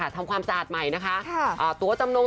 ทำความสะอาดใหม่นะคะตัวจำนง